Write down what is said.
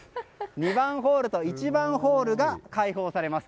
２番ホールと１番ホールが開放されます。